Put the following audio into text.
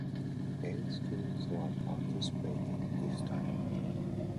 Eight teams were participating this time.